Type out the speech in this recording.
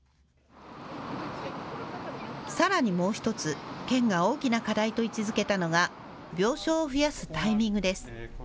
さらにもう１つ、県が大きな課題と位置づけたのが病床を増やすタイミングです。